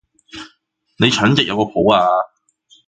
你蠢極有個譜吖？